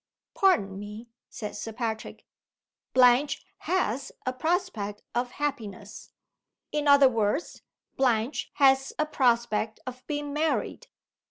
"Pardon me," said Sir Patrick. "Blanche has a prospect of happiness. In other words, Blanche has a prospect of being married.